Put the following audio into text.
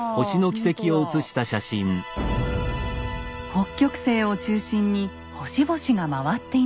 北極星を中心に星々が回っています。